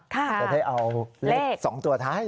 จะได้เอาเลข๒ตัวท้าย